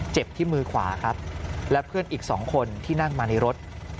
เจ็บที่มือขวาครับและเพื่อนอีก๒คนที่นั่งมาในรถ